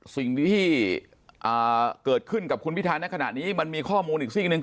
สิ่งที่เกิดขึ้นกับคุณพิธาในขณะนี้มันมีข้อมูลอีกซีกหนึ่ง